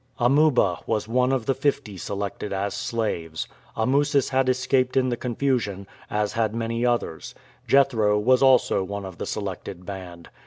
Amuba was one of the fifty selected as slaves. Amusis had escaped in the confusion, as had many others. Jethro was also one of the selected band.